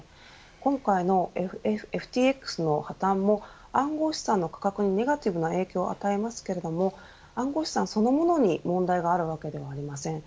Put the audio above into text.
今回のＦＴＸの破綻も暗号資産の価格にネガティブな影響を与えますけれども暗号資産そのものに問題があるわけではありません。